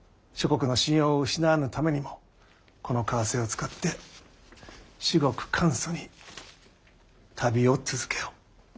諸国の信用を失わぬためにもこの為替を使ってしごく簡素に旅を続けよ。